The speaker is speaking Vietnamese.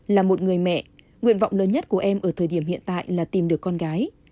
là một người mẹ nguyện vọng lớn nhất của em ở thời điểm hiện tại là tìm được con gái